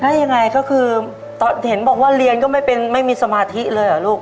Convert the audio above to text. แล้วยังไงก็คือตอนเห็นบอกว่าเรียนก็ไม่เป็นไม่มีสมาธิเลยเหรอลูก